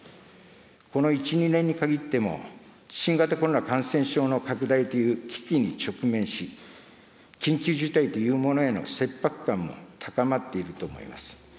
この１、２年に限っても、新型コロナ感染症の拡大という危機に直面し、緊急事態というものへの切迫感も高まっていると思います。